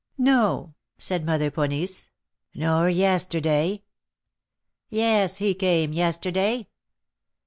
"No," said Mother Ponisse. "Nor yesterday?" "Yes, he came yesterday."